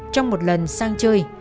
trong một lần sang chơi